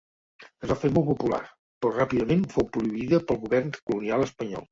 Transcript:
Es va fer molt popular, però ràpidament fou prohibida pel govern colonial espanyol.